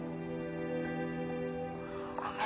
ごめんね。